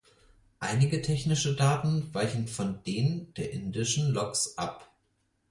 Einige technische Daten weichen von denen der indischen Loks ab.